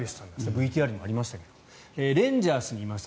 ＶＴＲにもありましたがレンジャーズにいました。